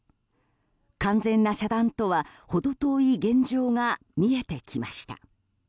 完全な遮断とは程遠い現状が見えてきました。